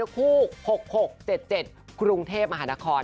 คู่๖๖๗๗กรุงเทพมหานคร